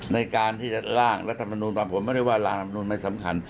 ในการที่จะล่างรัฐมนุนมาผมไม่ได้ว่าร่างรัฐมนุนไม่สำคัญ